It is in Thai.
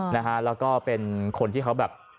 นะฮะแล้วก็เป็นคนที่เขาแบบ